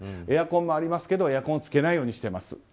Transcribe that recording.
エアコンもありますけどエアコンつけないようにしてます。